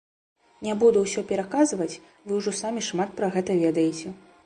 Не буду ўсё пераказваць, вы ўжо самі шмат пра гэта ведаеце.